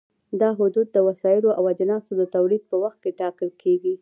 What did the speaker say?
دا حدود د وسایلو او اجناسو د تولید په وخت کې ټاکل کېږي.